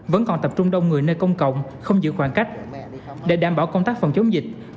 vẫn còn tập trung đông người nơi công cộng không giữ khoảng cách để đảm bảo công tác phòng chống dịch